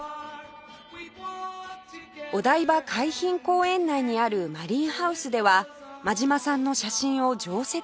お台場海浜公園内にあるマリンハウスでは真島さんの写真を常設展示